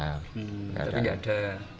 tapi gak ada